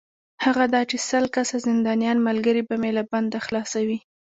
هغه دا چې سل کسه زندانیان ملګري به مې له بنده خلاصوې.